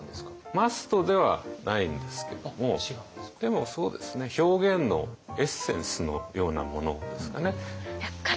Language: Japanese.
マストではないんですけどもでもそうですね表現のエッセンスのようなものですかね。